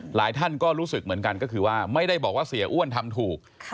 หลายท่านก็รู้สึกเหมือนกันก็คือว่าไม่ได้บอกว่าเสียอ้วนทำถูก